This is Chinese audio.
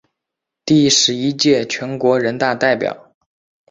第十一届全国人大代表。